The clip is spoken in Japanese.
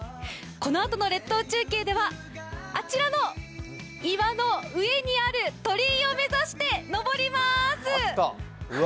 このあとの列島中継ではあちらの岩の上にある鳥居を目指して登ります！